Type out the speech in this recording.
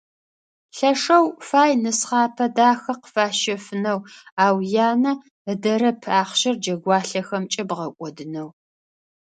Лъэшэу фай нысхъапэ дахэ къыфащэфынэу, ау янэ ыдэрэп ахъщэр джэгуалъэхэмкӏэ бгъэкӏодынэу.